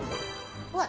うわっ。